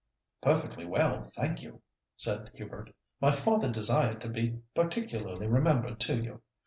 "Perfectly well, thank you," said Hubert. "My father desired to be particularly remembered to you.